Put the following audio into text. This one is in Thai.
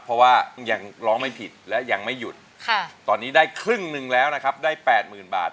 เพราะว่ายังร้องไม่ผิดและยังไม่หยุดตอนนี้ได้ครึ่งหนึ่งแล้วนะครับได้๘๐๐๐บาท